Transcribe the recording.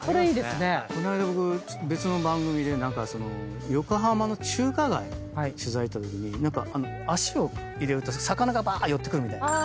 この間僕別の番組で横浜の中華街取材行ったときに何か足を入れると魚がばーっ寄ってくるみたいな。